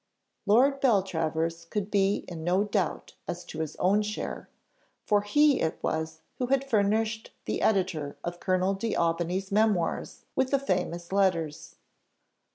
Lord Beltravers could be in no doubt as to his own share, for he it was who had furnished the editor of Colonel D'Aubigny's Memoirs with the famous letters.